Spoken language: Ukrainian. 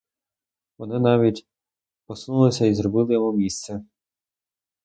Вони навіть посунулися і зробили йому місце.